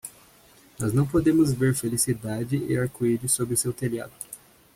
Nós não podemos ver felicidade e arco-íris sobre o seu telhado.